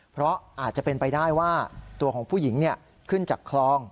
เพราะอาจจะเป็นไปได้ว่าตัวของผู้หญิงขึ้นจากคลอง